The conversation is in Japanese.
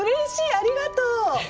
ありがとう！